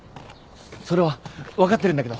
それは分かってるんだけど。